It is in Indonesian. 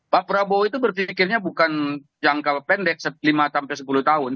pak prabowo itu berpikirnya bukan jangka pendek lima sampai sepuluh tahun